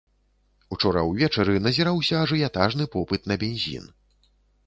Учора ўвечары назіраўся ажыятажны попыт на бензін.